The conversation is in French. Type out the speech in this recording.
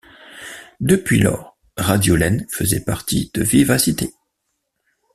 Depuis lors, Radiolène faisait partie de VivaCité.